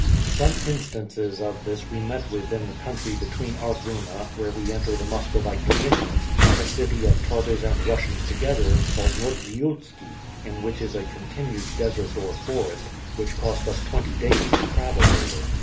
Some instances of this we met with in the country between Arguna, where we enter the Muscovite dominions, and a city of Tartars and Russians together, called Nortziousky, in which is a continued desert or forest, which cost us twenty days to travel over.